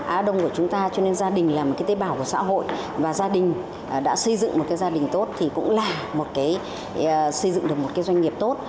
á đông của chúng ta cho nên gia đình là một cái tế bảo của xã hội và gia đình đã xây dựng một cái gia đình tốt thì cũng là một cái xây dựng được một cái doanh nghiệp tốt